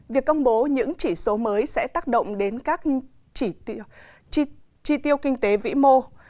việc công bố những chỉ số mới sẽ tác động đến các chi tiêu kinh tế vĩ mô